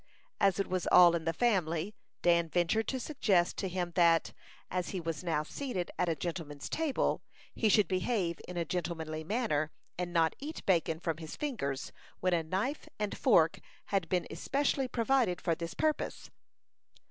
As it was all in the family, Dan ventured to suggest to him that, as he was now seated at a gentleman's table, he should behave in a gentlemanly manner, and not eat bacon from his fingers, when a knife and fork had been especially provided for this purpose.